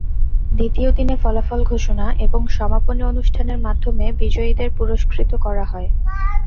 দ্বিতীয় দিনে ফলাফল ঘোষণা এবং সমাপনী অনুষ্ঠানের মাধ্যমে বিজয়ীদের পুরস্কৃত করা হয়।